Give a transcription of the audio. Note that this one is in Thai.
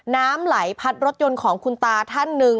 น้ำไหลพัดรถยนต์ของคุณตาท่านหนึ่ง